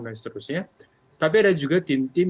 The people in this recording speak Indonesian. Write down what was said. dan seterusnya tapi ada juga tim tim